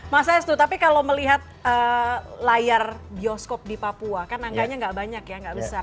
masa itu tapi kalau melihat layar bioskop di papua kan angkanya enggak banyak ya enggak besar